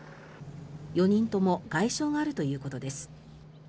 ４人とも外傷があるということです。